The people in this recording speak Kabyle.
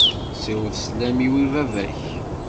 Siweḍ sslam-iw i baba-k.